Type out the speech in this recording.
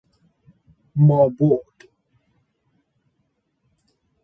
ما بعد